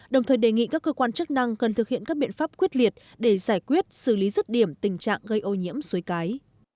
đồng thời đề nghị các cơ quan chức năng cần thực hiện các biện pháp quyết liệt để giải quyết xử lý rứt điểm tình trạng gây ô nhiễm suối cái